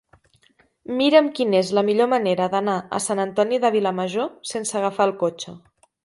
Mira'm quina és la millor manera d'anar a Sant Antoni de Vilamajor sense agafar el cotxe.